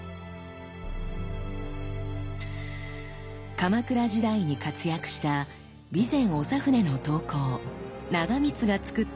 鎌倉時代に活躍した備前長船の刀工長光がつくった代表作。